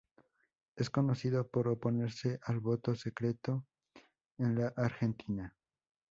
Es conocido por oponerse al voto secreto en la Argentina.